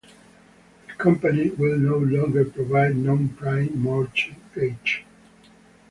The company will no longer provide nonprime mortgages.